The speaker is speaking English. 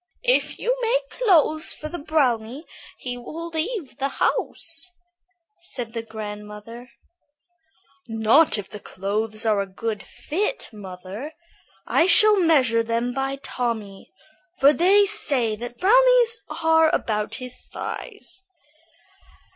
"If you make clothes for the brownie, he will leave the house," said the grandmother. "Not if the clothes are a good fit, mother. I shall measure them by Tommy, for they say the brownies are about his size."